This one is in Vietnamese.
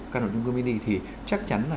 căn hộ trung cư mini thì chắc chắn là